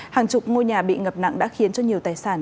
hàng chục ngôi nhà bị ngập nặng đã khiến cho nhiều tài sản